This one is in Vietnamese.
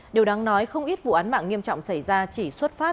điều đáng nói không ít vụ án mạng nghiêm trọng xảy ra chỉ xuất phát